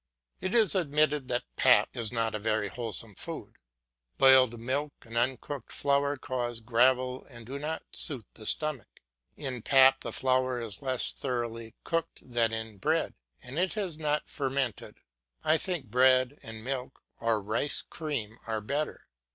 It is admitted that pap is not a very wholesome food. Boiled milk and uncooked flour cause gravel and do not suit the stomach. In pap the flour is less thoroughly cooked than in bread and it has not fermented. I think bread and milk or rice cream are better.